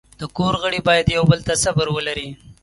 د کور غړي باید یو بل ته صبر ولري.